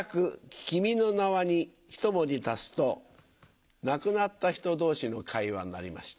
『君の名は。』にひと文字足すと亡くなった人同士の会話になりました。